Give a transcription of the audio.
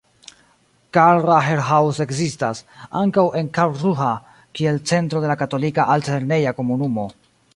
Karl-Rahner-Haus ekzistas ankaŭ en Karlsruhe kiel centro de la Katolika Alt-lerneja Komunumo.